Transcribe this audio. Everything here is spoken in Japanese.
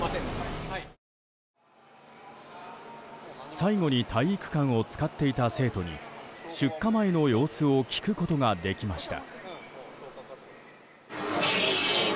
最後に体育館を使っていた生徒に出火前の様子を聞くことができました。